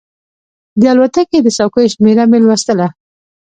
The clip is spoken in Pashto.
د الوتکې د څوکیو شمېره مې لوستله.